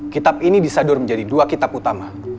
kitab ini disador menjadi dua kitab utama